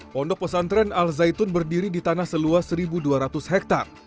pondok pesantren al zaitun berdiri di tanah seluas satu dua ratus hektare